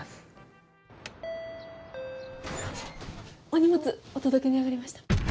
お荷物お届けに上がりました。